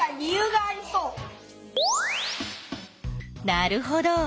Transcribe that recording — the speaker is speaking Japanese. なるほど。